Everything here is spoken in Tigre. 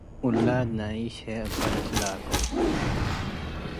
ውላድ ነአይሽ ህዬ እበ ልትላከዉ ።